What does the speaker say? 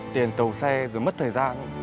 tiền tàu xe rồi mất thời gian